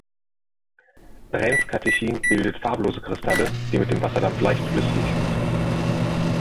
Brenzcatechin bildet farblose Kristalle, die mit Wasserdampf leicht flüchtig sind.